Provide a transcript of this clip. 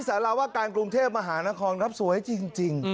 สารวากาศกรุงเทพฯมหานครสวยจริง